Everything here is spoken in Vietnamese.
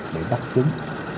để bắt trứng